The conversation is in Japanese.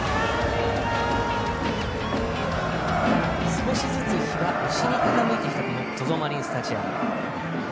少しずつ日が西に傾いてきた ＺＯＺＯ マリンスタジアム。